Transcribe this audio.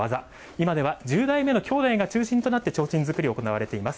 今では１０代目の兄弟が中心となって、提灯作りが行われています。